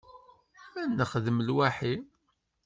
Ad nexdem lwaḥi.